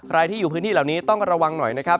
ใครที่อยู่พื้นที่เหล่านี้ต้องระวังหน่อยนะครับ